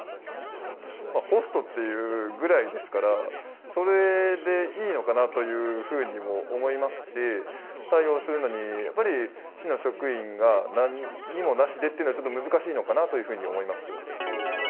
ホストっていうぐらいですから、それでいいのかなというふうにも思いますし、対応するのに、やっぱり市の職員がなんにもなしでっていうのは、ちょっと難しいのかなというふうに思います。